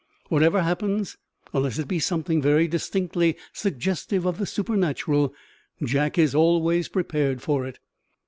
Whatever happens unless it be something very distinctly suggestive of the supernatural Jack is always prepared for it."